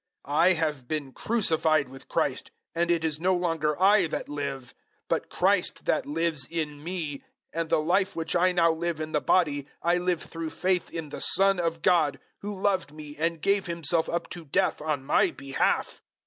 002:020 I have been crucified with Christ, and it is no longer I that live, but Christ that lives in me; and the life which I now live in the body I live through faith in the Son of God who loved me and gave Himself up to death on my behalf.